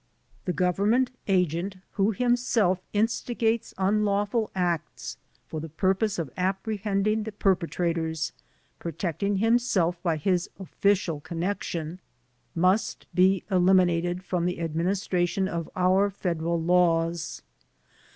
The Government agent, who himself instigates un lawful acts for the purpose of apprehending the perpe trators, protecting himself by his official connection, must be eliminated from the administration of our federal laws.